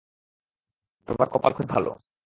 তোমার কপাল খুব ভালো।